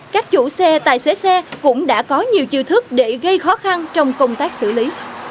các chủ xe tài xế xe cũng đã có nhiều chiêu thức để gây khó khăn trong công tác xử lý